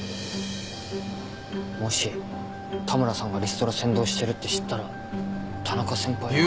もし田村さんがリストラ先導してるって知ったら田中先輩は。